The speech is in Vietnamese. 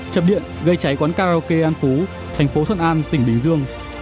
chợp điện gây cháy quán karaoke an phú tp thuận an tp bình dương